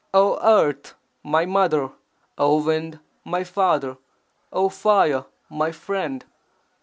O Earth, my mother! O Wind, my father! O Fire, my friend!